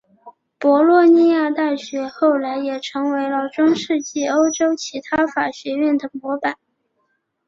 博洛尼亚大学后来也成为了中世纪欧洲其他法学院的模板。